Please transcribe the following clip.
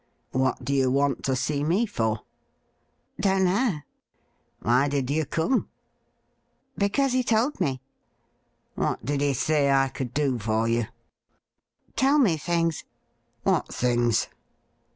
' What do you want to see me for ?'' Don't know.' ' Why did you come ?'' Because he told me.' ' What did he say I could do for you ?'' Tell me things.' ' What things